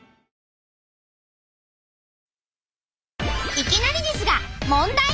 いきなりですが問題！